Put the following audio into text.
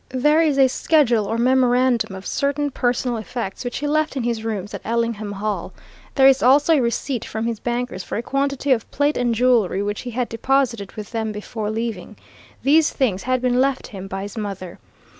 There is a schedule or memorandum of certain personal effects which he left in his rooms at Ellingham Hall: there is also a receipt from his bankers for a quantity of plate and jewellery which he had deposited with them before leaving these things had been left him by his mother.